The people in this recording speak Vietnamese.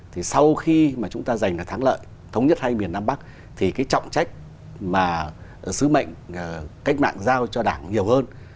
thì sau khi mà chúng ta giành được thắng lợi thống nhất hay miền nam bắc thì cái trọng trách mà sứ mệnh cách mạng giao cho đảng nhiều hơn